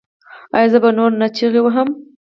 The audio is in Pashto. ایا زه به نور نه چیغې وهم؟